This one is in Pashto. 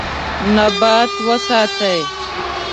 نبات وساتئ.